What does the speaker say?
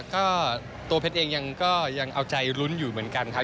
ก็ตัวเพชรเองก็ยังเอาใจลุ้นอยู่เหมือนกันครับ